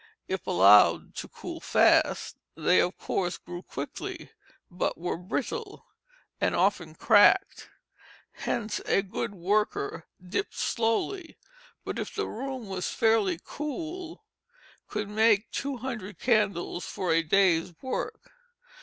If allowed to cool fast, they of course grew quickly, but were brittle, and often cracked. Hence a good worker dipped slowly, but if the room was fairly cool, could make two hundred candles for a day's work.